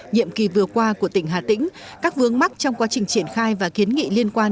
nhiệm kỳ vừa qua của tỉnh hà tĩnh các vướng mắc trong quá trình triển khai và kiến nghị liên quan